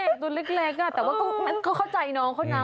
จริงแล้วเด็กตัวเล็กแต่ว่าเข้าใจน้องเขานะ